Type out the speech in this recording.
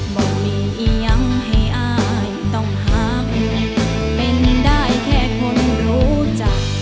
บอกมีเอียงให้อายต้องหักเป็นได้แค่คนรู้จัก